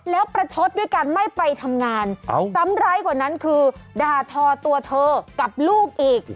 แล้วประชดด้วยการไม่ไปทำงานซ้ำร้ายกว่านั้นคือด่าทอตัวเธอกับลูกอีก